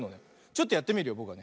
ちょっとやってみるよ。